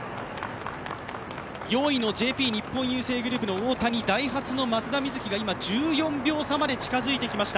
４位のＪＰ日本郵政グループの大谷、ダイハツの松田瑞生が今、１４秒差まで近づいてきました